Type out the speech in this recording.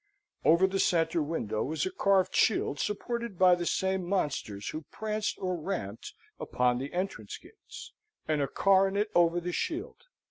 Over the centre window was a carved shield supported by the same monsters who pranced or ramped upon the entrance gates; and a coronet over the shield.